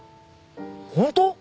ホント！？